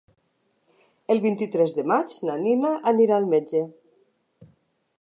El vint-i-tres de maig na Nina anirà al metge.